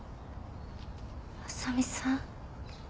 浅見さん。